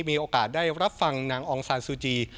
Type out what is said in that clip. มีโอกาสได้รับฟังนางองศาสุจีย์